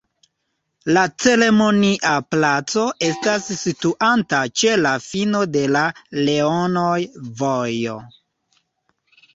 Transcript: La Ceremonia Placo estas situanta ĉe la fino de la Leonoj-Vojo.